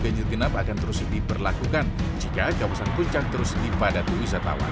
banjir genap akan terus diperlakukan jika kawasan puncak terus dipadat wisatawan